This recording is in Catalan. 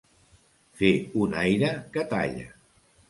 Fer un aire que talla.